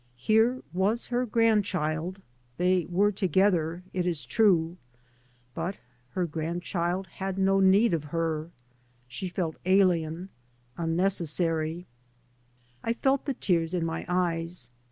Here was her grandchild, they were together, it is true. And her grandchild had no need of her. She felt alien, unnecessary. I felt the tears in my eyes.